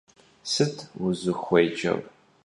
Sıt vuzıxuêcer?